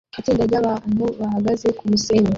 Itsinda ryabantu bahagaze kumusenyi